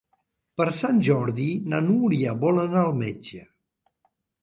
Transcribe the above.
Per Sant Jordi na Núria vol anar al metge.